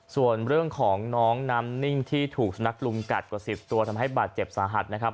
ส่วนเรื่องของน้องน้ำนิ่งที่ถูกสุนัขลุงกัดกว่า๑๐ตัวทำให้บาดเจ็บสาหัสนะครับ